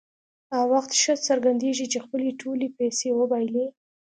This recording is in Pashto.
هغه وخت ښه څرګندېږي چې خپلې ټولې پیسې وبایلي.